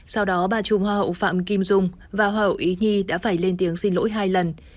sau đó bà trung hoa hậu phạm kim dung và hậu ý nhi đã phải lên tiếng xin lỗi hai lần